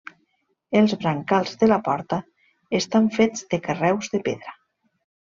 Els brancals de la porta estan fets de carreus de pedra.